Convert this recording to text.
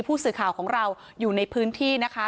ผู้สื่อข่าวของเราอยู่ในพื้นที่นะคะ